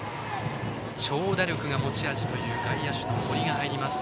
長打力が持ち味という外野手の森が入ります。